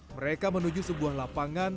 mereka menuju sebuah lapangan